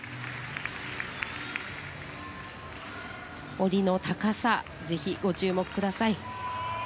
下りの高さにぜひ、ご注目ください。